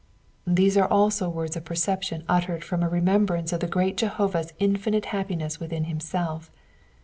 These are also words of perception uttered from a remem brance of the great Jehovah's infinite happiness within himself.